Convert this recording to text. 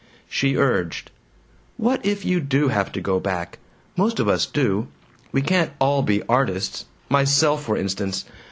She urged, "What if you do have to go back? Most of us do! We can't all be artists myself, for instance.